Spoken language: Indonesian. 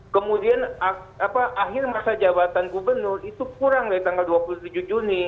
kemudian akhir masa jabatan gubernur itu kurang dari tanggal dua puluh tujuh juni